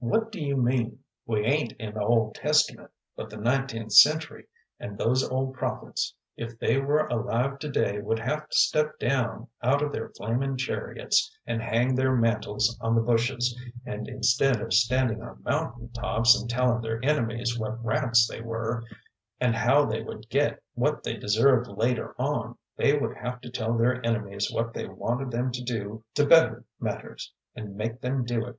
"What do you mean?" "We ain't in the Old Testament, but the nineteenth century, and those old prophets, if they were alive to day, would have to step down out of their flaming chariots and hang their mantles on the bushes, and instead of standing on mountain tops and tellin' their enemies what rats they were, and how they would get what they deserved later on, they would have to tell their enemies what they wanted them to do to better matters, and make them do it."